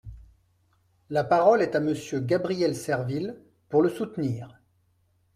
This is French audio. La parole est à Monsieur Gabriel Serville, pour le soutenir.